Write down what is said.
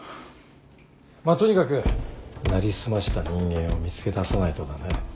まあとにかく成り済ました人間を見つけださないとだね。